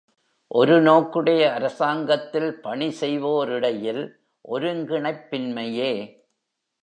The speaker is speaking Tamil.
ஒரு நோக்குடைய அரசாங்கத்தில் பணி செய்வோரிடையில் ஒருங்கிணைப்பின்மையே.